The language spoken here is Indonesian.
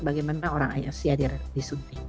bagaimana orang asia disuntik